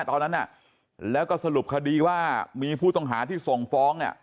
ตอนนั้นแล้วก็สรุปคดีว่ามีผู้ต้องหาที่ส่งฟ้อง